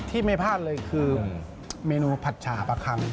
ที่ไม่พลาดเลยคือเมนูผัดฉาปลาคัง